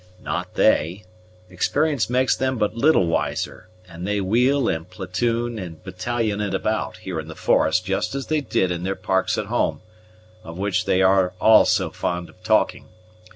"Not they. Experience makes them but little wiser; and they wheel, and platoon, and battalion it about, here in the forest, just as they did in their parks at home, of which they are all so fond of talking.